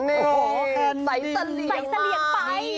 นี่ใส่สลียงมากใส่สลียงไป